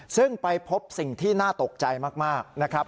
ซึ่งไปพบสิ่งที่น่าตกใจมากนะครับ